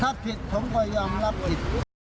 ถ้าผิดผมก็ยอมรับผิด